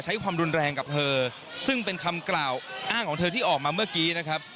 ความรุนแรงกับเธอซึ่งเป็นคำกล่าวอ้างของเธอที่ออกมาเมื่อกี้นะครับ